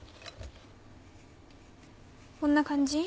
こんな感じ？